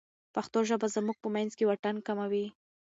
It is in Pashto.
پښتو ژبه زموږ په منځ کې واټن کموي.